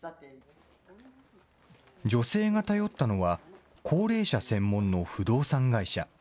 女性が頼ったのは、高齢者専門の不動産会社。